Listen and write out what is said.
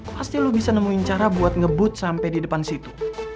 pasti lo bisa nemuin cara buat ngebut sampai di depan situ